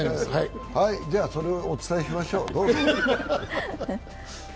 じゃ、それをお伝えしましょう。